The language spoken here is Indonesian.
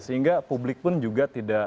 sehingga publik pun juga